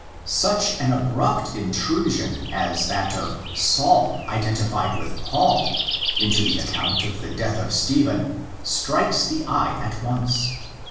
Such an abrupt intrusion as that of '' Saul," identified with Paul, into the account of the death of Stephen, strikes the eye at once.